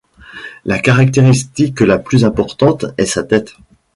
La caractéristique la plus importante est sa tête.